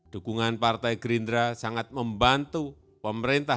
dukungan partai gerindra sangat membantu pemerintah